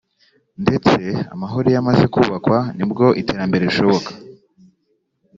ndetse amahoro iyo amaze kubakwa ni bwo iterambere rishoboka